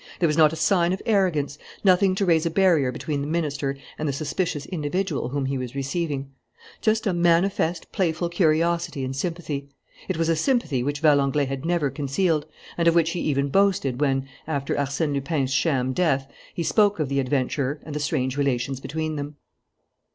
There was not a sign of arrogance, nothing to raise a barrier between the Minister and the suspicious individual whom he was receiving: just a manifest, playful curiosity and sympathy, It was a sympathy which Valenglay had never concealed, and of which he even boasted when, after Arsène Lupin's sham death, he spoke of the adventurer and the strange relations between them.